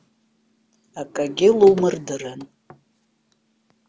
Акагьы лумырдырын.